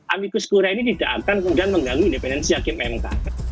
amicus korea ini tidak akan kemudian mengganggu independensi hakim mk